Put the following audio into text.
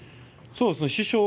そうですね。